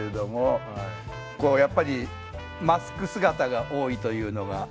やっぱりマスク姿が多いというのが。